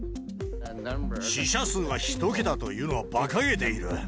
死者数が１桁というのはばかげている。